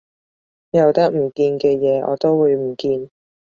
有得唔見嘅嘢我都會唔見